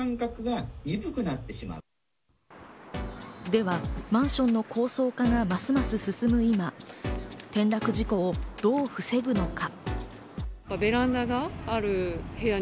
ではマンションの高層化がますます進む中、転落事故をどう防ぐのか？